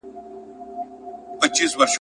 موږ مهارت لرونکي کاري ځواک ته اړتیا لرو.